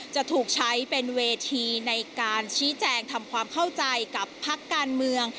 จะถูกใช้เป็นเวทีในการชี้แจงทำความเข้าใจกับพักการเมือง